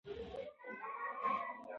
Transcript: له ماشومانو سره په مینه او شفقت خبرې کوئ.